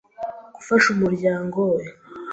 Gufasha umuryango we